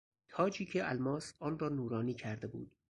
تاجی که الماس آن را نورانی کرده بود